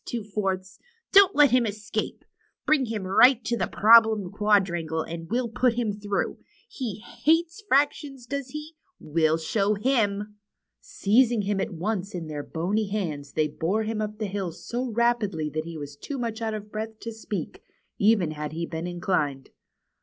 Two Fourths. Don't let him escape. Bring him right up to Problem Quadrangle, and we'll put him through. He Hiates ' fractions, does he? We'll show him!" Seizing him at once in their bony hands they bore him up the hill so rapidly that he was too much out of breath to speak, even had he been inclined.